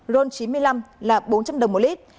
rôn chín mươi năm là bốn trăm linh đồng mỗi lít